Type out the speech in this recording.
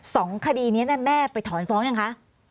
สองคดีนี้แม่ไปถอนฟ้องยังคะ